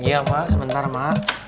iya ma sebentar ma